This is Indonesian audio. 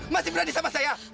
masih berani sama saya